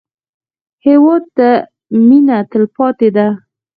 هېواد ته مېنه تلپاتې ده